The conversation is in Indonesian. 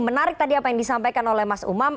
menarik tadi apa yang disampaikan oleh mas umam